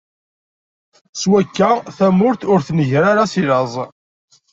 Swakka, tamurt ur tnegger ara si laẓ.